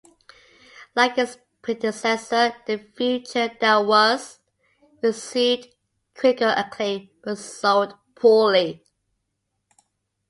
Like its predecessor, "The Future That Was" received critical acclaim but sold poorly.